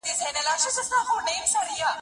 دی به تل په خپلو فکرونو کې یوازې وي.